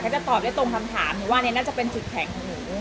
จะตอบได้ตรงคำถามหนูว่านี่น่าจะเป็นจุดแข็งของหนู